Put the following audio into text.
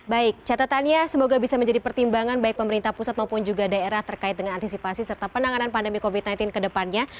baik catatannya semoga bisa menjadi pertimbangan baik pemerintah pusat maupun juga daerah terkait dengan antisipasi serta penanganan pandemi covid sembilan belas ke depannya